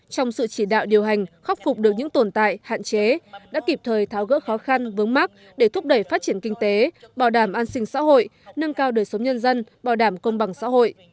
trong sự chỉ đạo điều hành khắc phục được những tồn tại hạn chế đã kịp thời tháo gỡ khó khăn vướng mắt để thúc đẩy phát triển kinh tế bảo đảm an sinh xã hội nâng cao đời sống nhân dân bảo đảm công bằng xã hội